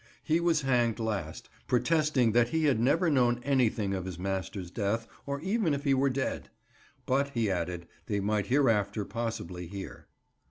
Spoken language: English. He was hanged last, protesting that he had never known anything of his master's death, or even if he were dead. But, he added, they might hereafter possibly hear.